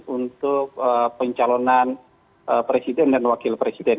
untuk pencalonan presiden dan wakil presiden